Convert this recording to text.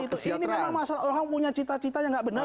ini memang masalah orang punya cita cita yang nggak benar